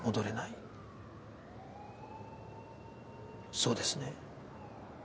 そうですね？